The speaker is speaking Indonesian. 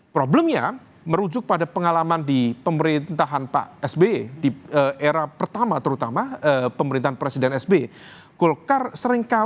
problemnya merujuk pada pengalaman di pemerintahan pak sbe di era pertama terutama pemerintahan presiden sbe